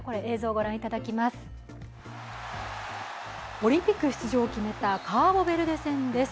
オリンピック出場を決めたカーボベルデ戦です。